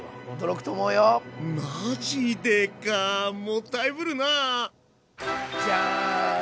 マジでかもったいぶるな！